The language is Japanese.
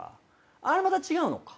あれまた違うのか。